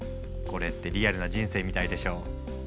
これってリアルな人生みたいでしょ？